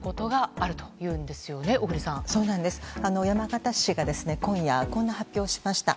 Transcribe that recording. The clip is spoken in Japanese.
山形市が今夜こんな発表しました。